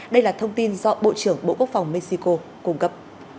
đây là thông tin do bộ trưởng bộ quốc phòng mexico cung cấp